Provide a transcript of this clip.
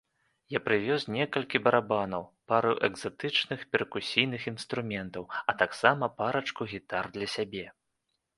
Я прывёз некалькі барабанаў, пару экзатычных перкусійных інструментаў, а таксама парачку гітар для сябе.